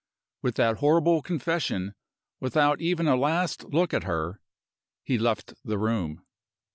With that horrible confession without even a last look at her he left the room.